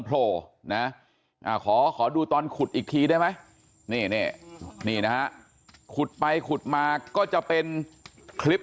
โผล่นะขอดูตอนขุดอีกทีได้ไหมนี่นะฮะขุดไปขุดมาก็จะเป็นคลิป